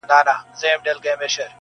او که هر یو د ځان په غم دی له یخنیه غلی،